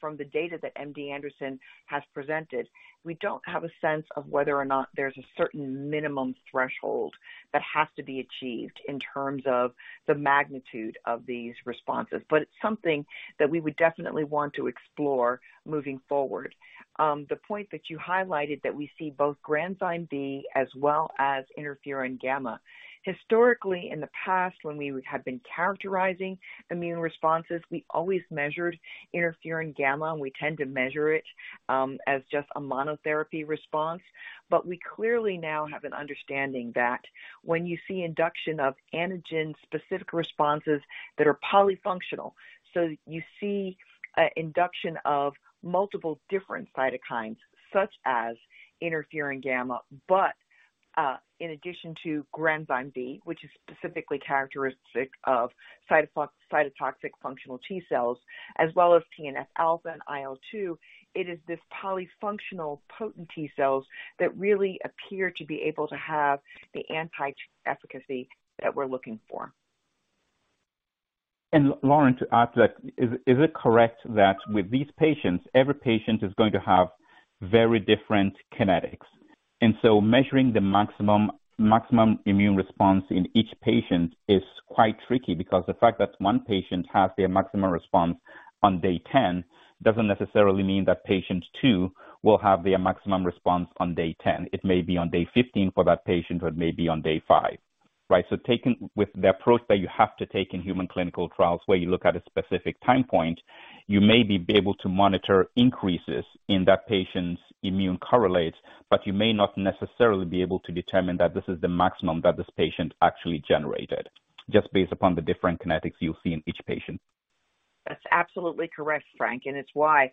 from the data that MD Anderson has presented, we don't have a sense of whether or not there's a certain minimum threshold that has to be achieved in terms of the magnitude of these responses. It's something that we would definitely want to explore moving forward. The point that you highlighted that we see both Granzyme B as well as Interferon gamma. Historically, in the past, when we have been characterizing immune responses, we always measured Interferon gamma, and we tend to measure it as just a monotherapy response. We clearly now have an understanding that when you see induction of antigen-specific responses that are polyfunctional, so you see a induction of multiple different cytokines such as Interferon gamma, but in addition to Granzyme B, which is specifically characteristic of cytotoxic T-cells as well as TNF-alpha and IL-2, it is this polyfunctional T-cells that really appear to be able to have the antitumor efficacy that we're looking for. Lauren, to add to that, is it correct that with these patients, every patient is going to have very different kinetics? Measuring the maximum immune response in each patient is quite tricky because the fact that one patient has their maximum response on day 10 doesn't necessarily mean that patient two will have their maximum response on day 10. It may be on day 15 for that patient, or it may be on day five, right? Taking the approach that you have to take in human clinical trials, where you look at a specific time point, you may be able to monitor increases in that patient's immune correlates, but you may not necessarily be able to determine that this is the maximum that this patient actually generated just based upon the different kinetics you'll see in each patient. That's absolutely correct, Frank, and it's why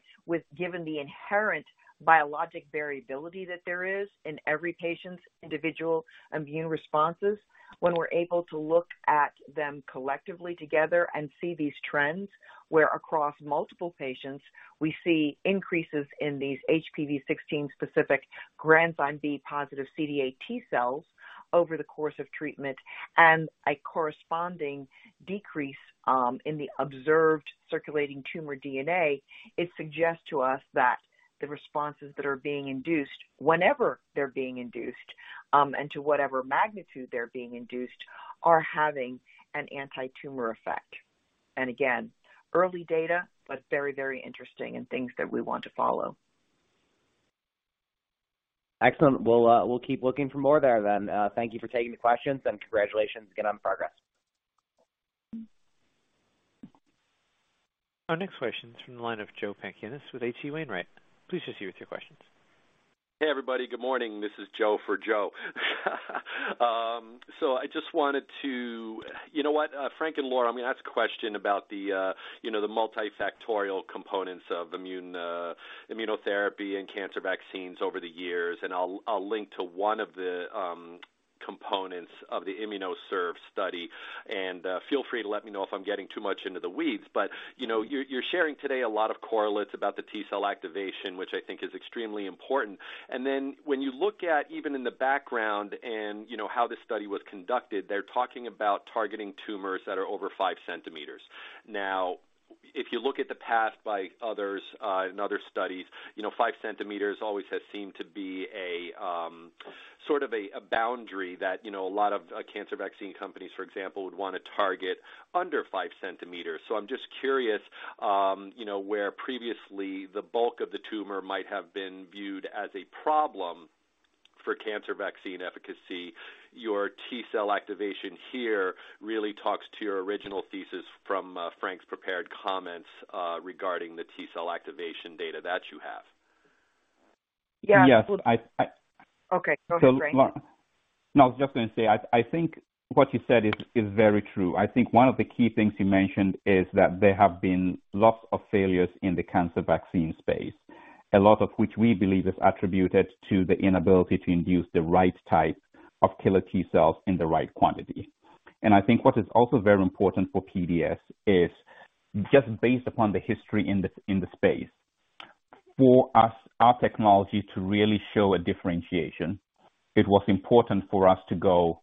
given the inherent biologic variability that there is in every patient's individual immune responses, when we're able to look at them collectively together and see these trends, where across multiple patients we see increases in these HPV-16 specific Granzyme B positive CD8 T-cells over the course of treatment and a corresponding decrease in the observed circulating tumor DNA, it suggests to us that the responses that are being induced whenever they're being induced and to whatever magnitude they're being induced are having an antitumor effect. Again, early data, but very, very interesting and things that we want to follow. Excellent. We'll keep looking for more there then. Thank you for taking the questions and congratulations again on the progress. Our next question is from the line of Joseph Pantginis with H.C. Wainwright. Please proceed with your questions. Hey, everybody. Good morning. This is Joe for Joe. You know what, Frank and Laura, I'm going to ask a question about the multifactorial components of immunotherapy and cancer vaccines over the years, and I'll link to one of the components of the IMMUNOCERV study. Feel free to let me know if I'm getting too much into the weeds. You know, you're sharing today a lot of correlates about the T-cell activation, which I think is extremely important. Then when you look at even in the background and you know, how this study was conducted, they're talking about targeting tumors that are over 5 cm. Now, if you look at the path by others, in other studies, you know, 5 cm always has seemed to be a sort of a boundary that, you know, a lot of cancer vaccine companies, for example, would want to target under 5 cms. I'm just curious, you know, where previously the bulk of the tumor might have been viewed as a problem for cancer vaccine efficacy. Your T-cell activation here really talks to your original thesis from, Frank's prepared comments, regarding the T-cell activation data that you have. Yeah. Yes. Okay. Go ahead, Frank. No, I was just going to say, I think what you said is very true. I think one of the key things you mentioned is that there have been lots of failures in the cancer vaccine space, a lot of which we believe is attributed to the inability to induce the right type of T-cells in the right quantity. I think what is also very important for PDS is just based upon the history in the space, for us, our technology to really show a differentiation, it was important for us to go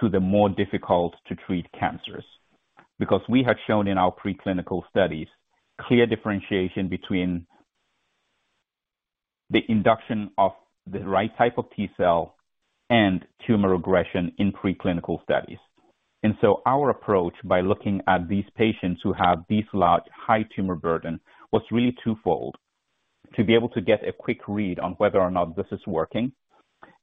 to the more difficult to treat cancers, because we had shown in our preclinical studies clear differentiation between the induction of the right type of T-cell and tumor regression in preclinical studies. Our approach by looking at these patients who have these large, high tumor burden was really twofold. To be able to get a quick read on whether or not this is working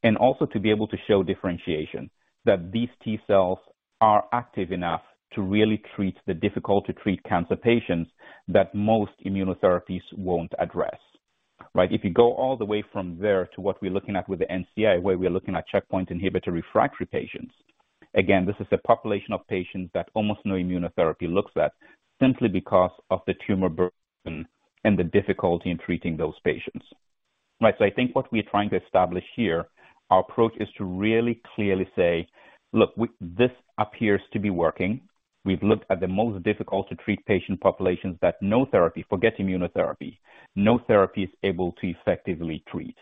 and also to be able to show differentiation that these T-cells are active enough to really treat the difficult to treat cancer patients that most immunotherapies won't address, right? If you go all the way from there to what we're looking at with the NCI, where we're looking at checkpoint inhibitor refractory patients, again, this is a population of patients that almost no immunotherapy looks at simply because of the tumor burden and the difficulty in treating those patients, right? I think what we're trying to establish here, our approach is to really clearly say, "Look, this appears to be working. We've looked at the most difficult to treat patient populations that no therapy, forget immunotherapy, no therapy is able to effectively treat."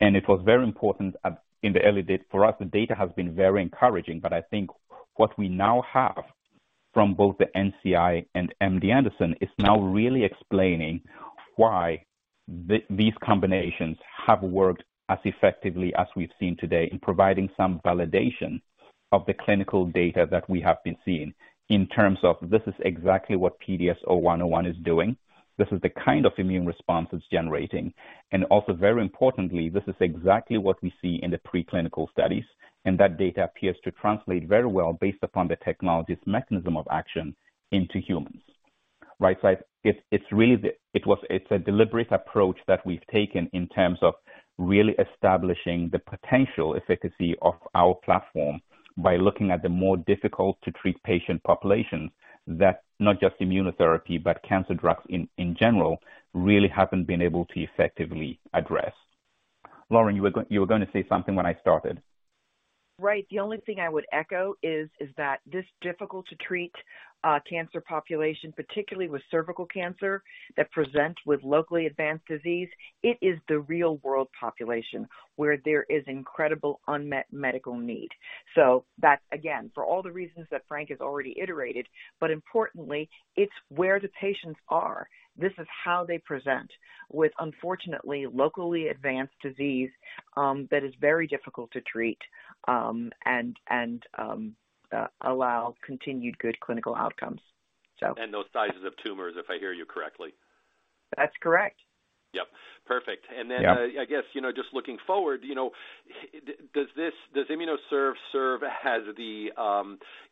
It was very important in the early days. For us, the data has been very encouraging. I think what we now have from both the NCI and MD Anderson is now really explaining why these combinations have worked as effectively as we've seen today in providing some validation of the clinical data that we have been seeing in terms of this is exactly what PDS-0101 is doing. This is the kind of immune response it's generating. Also very importantly, this is exactly what we see in the preclinical studies. That data appears to translate very well based upon the technology's mechanism of action into humans. Right? It's really a deliberate approach that we've taken in terms of really establishing the potential efficacy of our platform by looking at the more difficult to treat patient populations that not just immunotherapy, but cancer drugs in general really haven't been able to effectively address. Lauren, you were going to say something when I started. Right. The only thing I would echo is that this difficult to treat cancer population, particularly with cervical cancer that present with locally advanced disease, it is the real world population where there is incredible unmet medical need. That's again, for all the reasons that Frank has already iterated, but importantly, it's where the patients are. This is how they present with, unfortunately, locally advanced disease that is very difficult to treat and allow continued good clinical outcomes. Those sizes of tumors, if I hear you correctly? That's correct. Yep, perfect. Yeah. I guess, you know, just looking forward, you know, does IMMUNOCERV serve as the,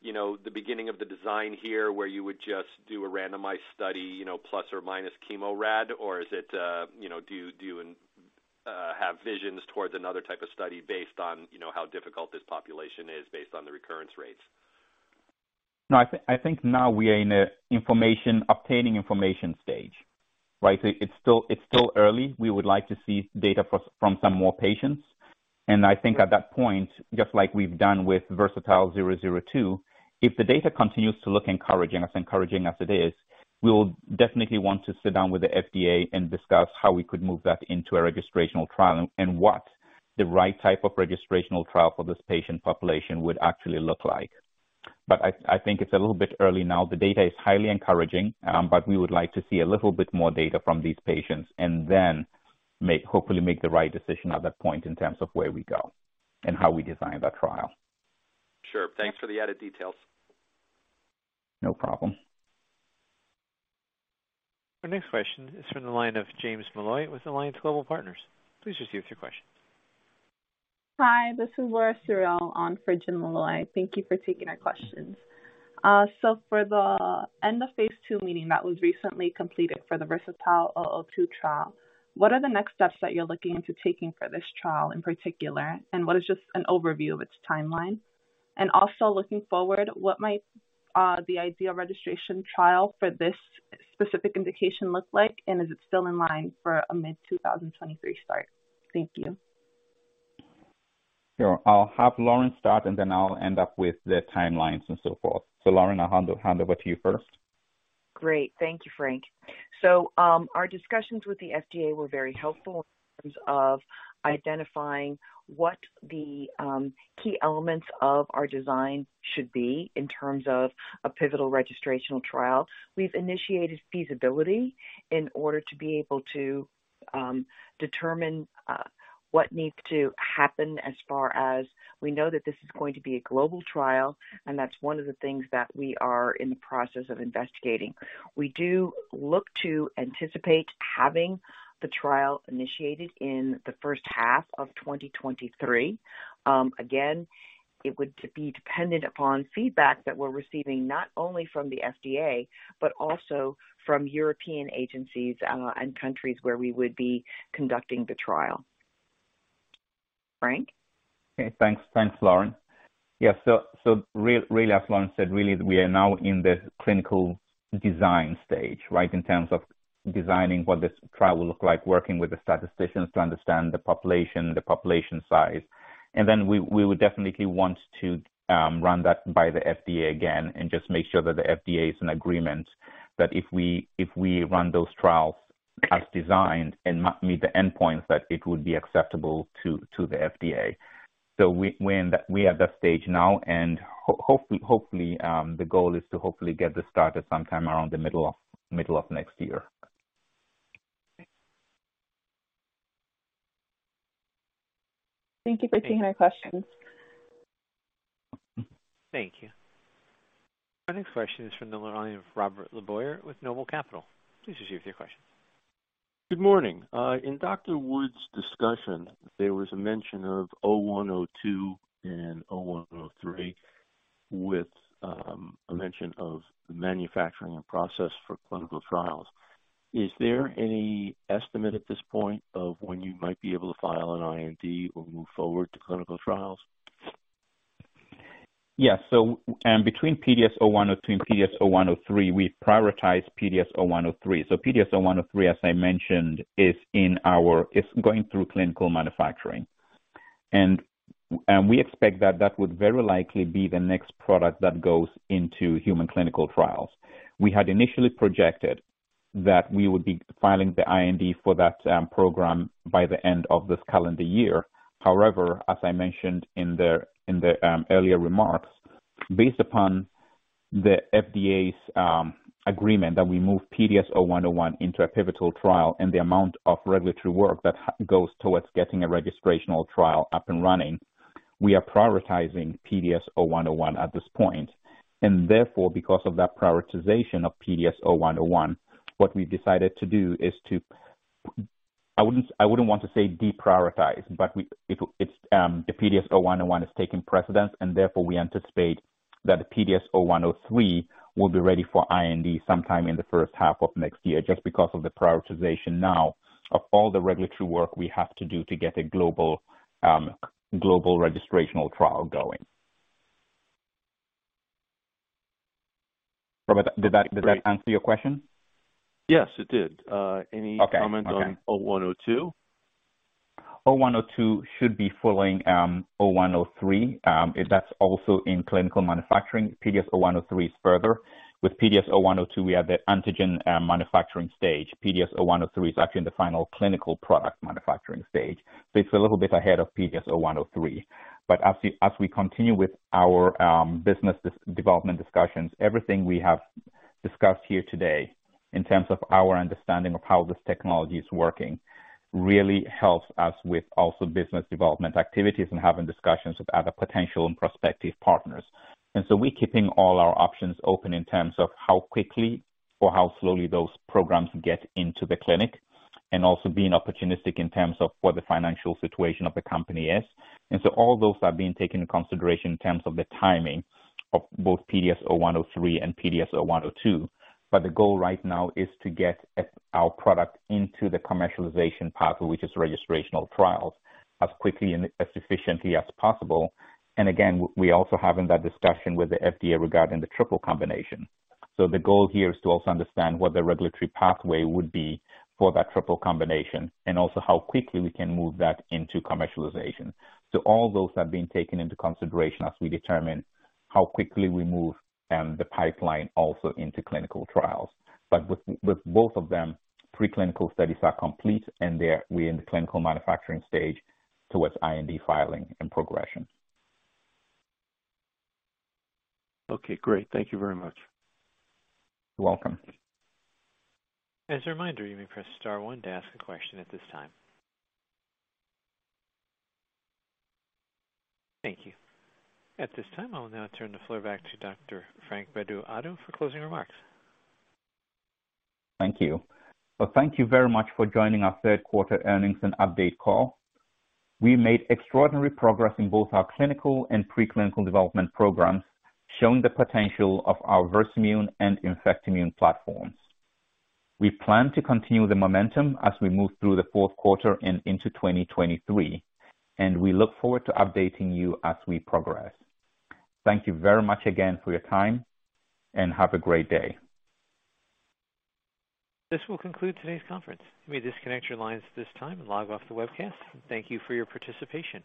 you know, the beginning of the design here, where you would just do a randomized study, you know, plus or minus chemo rad? Or is it, you know, do you have visions towards another type of study based on, you know, how difficult this population is based on the recurrence rates? No, I think now we are in an information-obtaining information stage, right? It's still early. We would like to see data from some more patients. I think at that point, just like we've done with VERSATILE-002, if the data continues to look encouraging, as encouraging as it is, we will definitely want to sit down with the FDA and discuss how we could move that into a registrational trial and what the right type of registrational trial for this patient population would actually look like. I think it's a little bit early now. The data is highly encouraging, but we would like to see a little bit more data from these patients and then hopefully make the right decision at that point in terms of where we go and how we design that trial. Sure. Thanks for the added details. No problem. Our next question is from the line of James Molloy with Alliance Global Partners. Please proceed with your questions. Hi, this is Laura Suriel on for Jim Malloy. Thank you for taking our questions. For the end of phase II meeting that was recently completed for the VERSATILE-002 trial, what are the next steps that you're looking into taking for this trial in particular, and what is just an overview of its timeline? Also looking forward, what might the ideal registration trial for this specific indication look like, and is it still in line for a mid-2023 start? Thank you. Sure. I'll have Lauren start, and then I'll end up with the timelines and so forth. Lauren, I'll hand over to you first. Great. Thank you, Frank. Our discussions with the FDA were very helpful in terms of identifying what the key elements of our design should be in terms of a pivotal registrational trial. We've initiated feasibility in order to be able to determine what needs to happen as far as we know that this is going to be a global trial, and that's one of the things that we are in the process of investigating. We do look to anticipate having the trial initiated in the first half of 2023. Again, it would be dependent upon feedback that we're receiving, not only from the FDA, but also from European agencies, and countries where we would be conducting the trial. Frank? Okay, thanks. Thanks, Lauren. Yeah, really, as Lauren said, really we are now in the clinical design stage, right? In terms of designing what this trial will look like, working with the statisticians to understand the population size. Then we would definitely want to run that by the FDA again and just make sure that the FDA is in agreement that if we run those trials as designed and meet the endpoints, that it would be acceptable to the FDA. We're at that stage now and hopefully the goal is to hopefully get this started sometime around the middle of next year. Thank you for taking my questions. Thank you. Our next question is from the line of Robert LeBoyer with NOBLE Capital Markets. Please proceed with your questions. Good morning. In Dr. Wood's discussion, there was a mention of 0102 and 0103 with a mention of the manufacturing and process for clinical trials. Is there any estimate at this point of when you might be able to file an IND or move forward to clinical trials? Between PDS0102 and PDS0103, we prioritize PDS0103. PDS0103, as I mentioned, is in our. It's going through clinical manufacturing. We expect that would very likely be the next product that goes into human clinical trials. We had initially projected that we would be filing the IND for that program by the end of this calendar year. However, as I mentioned in the earlier remarks, based upon the FDA's agreement that we move PDS0101 into a pivotal trial and the amount of regulatory work that goes towards getting a registrational trial up and running, we are prioritizing PDS0101 at this point. Therefore, because of that prioritization of PDS0101, what we've decided to do is to. I wouldn't want to say deprioritize, but it's the PDS0101 is taking precedence and therefore we anticipate that the PDS0103 will be ready for IND sometime in the first half of next year, just because of the prioritization now of all the regulatory work we have to do to get a global registrational trial going. Robert, did that answer your question? Yes, it did. Okay. Comments on 0102? 0102 should be following 0103. That's also in clinical manufacturing. PDS0103 is further. With PDS0102, we have the antigen manufacturing stage. PDS0103 is actually in the final clinical product manufacturing stage. It's a little bit ahead of PDS0102. As we continue with our business development discussions, everything we have discussed here today in terms of our understanding of how this technology is working really helps us with also business development activities and having discussions with other potential and prospective partners. We're keeping all our options open in terms of how quickly or how slowly those programs get into the clinic and also being opportunistic in terms of what the financial situation of the company is. All those are being taken into consideration in terms of the timing of both PDS0103 and PDS0102. The goal right now is to get our product into the commercialization pathway, which is registrational trials, as quickly and as efficiently as possible. We also are having that discussion with the FDA regarding the triple combination. The goal here is to also understand what the regulatory pathway would be for that triple combination and also how quickly we can move that into commercialization. All those have been taken into consideration as we determine how quickly we move the pipeline also into clinical trials. With both of them, pre-clinical studies are complete, and we're in the clinical manufacturing stage towards IND filing and progression. Okay, great. Thank you very much. You're welcome. As a reminder, you may press star one to ask a question at this time. Thank you. At this time, I will now turn the floor back to Dr. Frank Bedu-Addo for closing remarks. Thank you. Well, thank you very much for joining our third quarter earnings and update call. We made extraordinary progress in both our clinical and pre-clinical development programs, showing the potential of our Versamune and Infectimune platforms. We plan to continue the momentum as we move through the fourth quarter and into 2023, and we look forward to updating you as we progress. Thank you very much again for your time, and have a great day. This will conclude today's conference. You may disconnect your lines at this time and log off the webcast. Thank you for your participation.